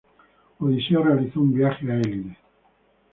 Odiseo realizó un viaje a Élide.